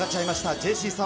ジェシーさん